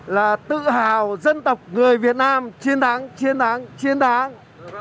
là tự hào dân tộc người việt nam chiến thắng chiến thắng chiến đáng